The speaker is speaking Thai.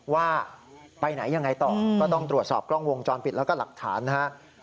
ว่าไปไหนยังไงต่อก็ต้องตรวจสอบกล้องวงจรปิดแล้วก็หลักฐานนะครับ